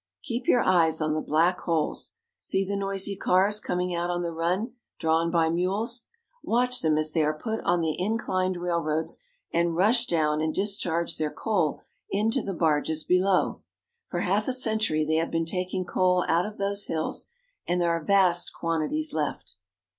Keep your eyes on the black holes. See the noisy cars coming out on the run, drawn by mules. Watch them as they are put on the inclined railroads and rush down and discharge their coal into the barges below. For half a century they have been taking coal out of those hills, and there are vast quantities left.